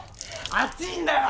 熱いんだよ！